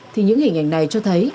thì những hình ảnh này cho thấy